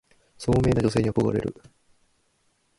聡明な女性に憧れる